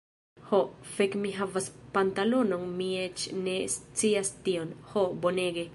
Ho, fek' mi havas pantalonon mi eĉ ne scias tion. Ho, bonege!